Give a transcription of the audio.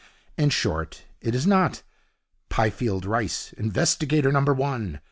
In short, it is not 'Pifield Rice, Investigator. No. 1.